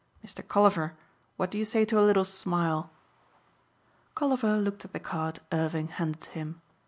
Mr. Colliver what do you say to a little smile?" Colliver looked at the card Irving handed to him.